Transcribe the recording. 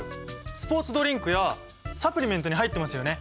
スポーツドリンクやサプリメントに入ってますよね！